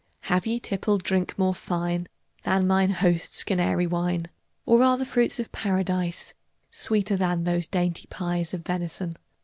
Have ye tippled drink more fine Than mine host's Canary wine? Or are fruits of Paradise Sweeter than those dainty pies Of venison?